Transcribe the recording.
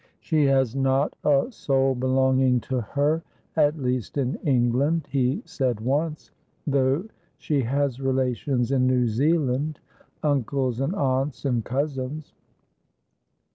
"She has not a soul belonging to her, at least in England," he said once, "though she has relations in New Zealand, uncles and aunts and cousins.